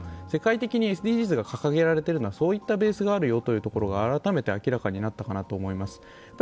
世界的にてＳＤＧｓが掲げられているのはそういったベースがあるよというところが改めて明らかになったかなと思います。